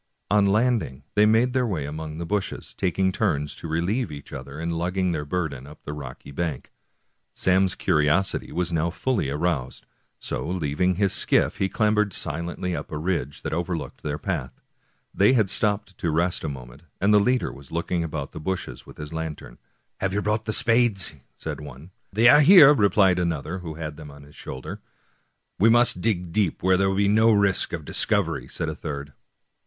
On landing they made their way among the bushes, taking turns to relieve each other in lugging their burden up the rocky bank. Sam's curiosity was now fully aroused, so leaving his skiff he clambered silently up a ridge that over looked their path. They had stopped to rest for a moment^ and the leader was looking about among the bushes with his lantern. " Have you brought the spades ?" said one. " They are here," replied another, who had them on his shoulder, " We must dig deep, where there will be no risk of dis covery," said a third.